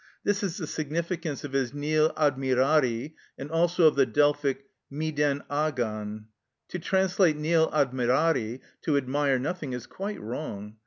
This is the significance of his nil admirari, and also of the Delphic Μηδεν αγαν. To translate nil admirari "to admire nothing" is quite wrong.